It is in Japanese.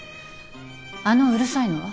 であのうるさいのは？